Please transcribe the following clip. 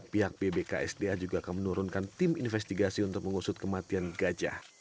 pihak bbksda juga akan menurunkan tim investigasi untuk mengusut kematian gajah